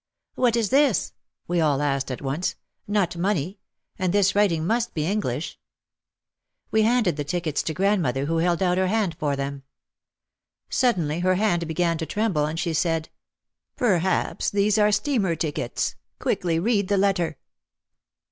"What is this?" we all asked at once. "Not money. And this writing must be English." We handed the tickets to grandmother who held out her hand for them. Suddenly her hand began to tremble and she said, "Perhaps these are steamer tickets. Quickly read the letter."